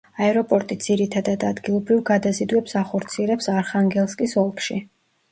აეროპორტი ძირითადად ადგილობრივ გადაზიდვებს ახორციელებს არხანგელსკის ოლქში.